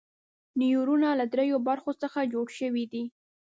نیورونونه له دریو برخو څخه جوړ شوي دي.